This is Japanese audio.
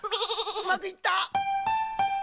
うまくいった！